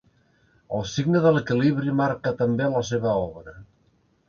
El signe de l'equilibri marca també la seva obra.